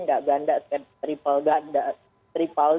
tidak ganda triple